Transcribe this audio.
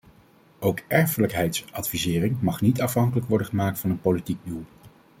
Ook erfelijkheidsadvisering mag niet afhankelijk worden gemaakt van een politiek doel.